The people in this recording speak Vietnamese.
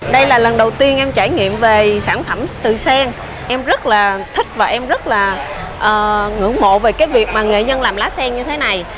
đây là lần đầu tiên em trải nghiệm về sản phẩm từ sen em rất là thích và em rất là ngưỡng mộ về cái việc mà nghệ nhân làm lá sen như thế này